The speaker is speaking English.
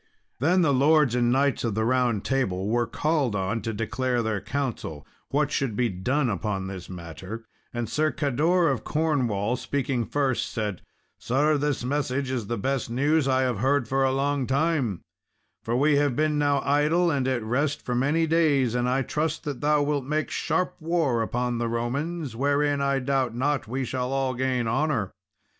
Then the lords and knights of the Round Table were called on to declare their counsel what should be done upon this matter; and Sir Cador of Cornwall speaking first, said, "Sir, this message is the best news I have heard for a long time, for we have been now idle and at rest for many days, and I trust that thou wilt make sharp war upon the Romans, wherein, I doubt not, we shall all gain honour."